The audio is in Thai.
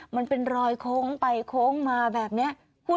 มันเป็นรอยโค้งไปโค้งมาแบบนี้